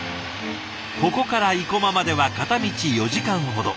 ここから生駒までは片道４時間ほど。